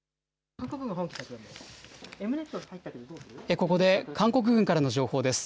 ここで韓国軍からの情報です。